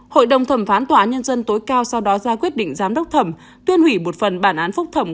hội đồng thẩm phán tòa án nhân dân tối cao sau đó ra quyết định giám đốc thẩm tuyên hủy một phần bản án phúc thẩm